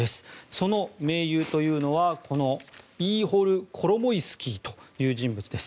その盟友というのは、このイーホル・コロモイスキーという人物です。